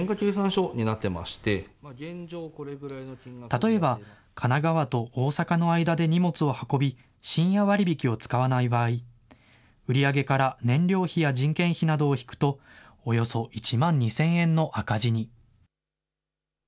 例えば、神奈川と大阪の間で荷物を運び、深夜割引を使わない場合、売り上げから燃料費や人件費などを引くと、およそ１万２０００円の赤字に。